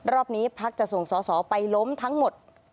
รอบนี้พักจะส่งสอสอไปล้มทั้งหมด